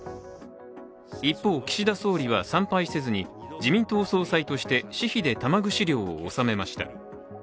一方、岸田総理は参拝せずに自民党総裁として私費で玉串料を納めました。